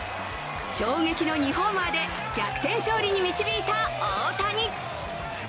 衝撃の２ホーマーで逆転勝利に導いた大谷。